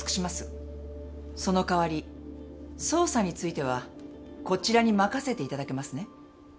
その代わり捜査についてはこちらに任せて頂けますね？